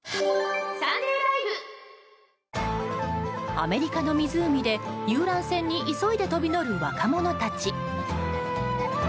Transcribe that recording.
アメリカの湖で、遊覧船に急いで飛び乗る若者たち。